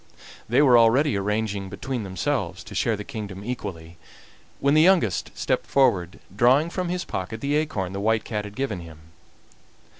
They were already arranging between themselves to share the kingdom equally, when the youngest stepped forward, drawing from his pocket the acorn the White Cat had given him.